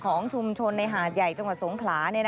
ของชุมชนในหาดใหญ่จังหวัดสงขลา